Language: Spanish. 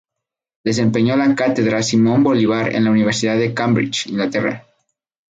Desempeñó la Cátedra Simón Bolívar en la Universidad de Cambridge, Inglaterra.